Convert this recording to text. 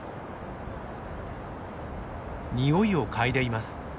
匂いを嗅いでいます。